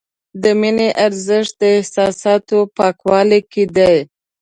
د مینې ارزښت د احساساتو پاکوالي کې دی.